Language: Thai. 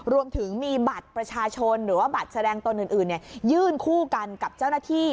รวมถึงมีบัตรประชาชนหรือว่าบัตรแสดงตนอื่นยื่นคู่กันกับเจ้าหน้าที่